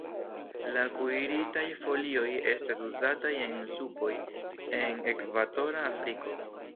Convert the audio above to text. La kuiritaj folioj estas uzataj en supoj en ekvatora Afriko.